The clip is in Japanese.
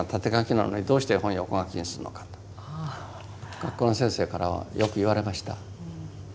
学校の先生からはよく言われました。